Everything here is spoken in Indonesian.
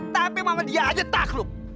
tapi mama dia aja takluk